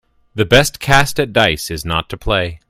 The best cast at dice is not to play.